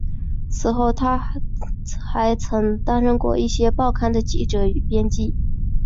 此后他还曾担任过一些报刊的记者与编辑。